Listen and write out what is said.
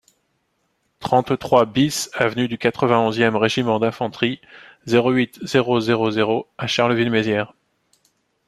trente-trois BIS avenue du quatre-vingt-onze e Régiment d'Infanterie, zéro huit, zéro zéro zéro à Charleville-Mézières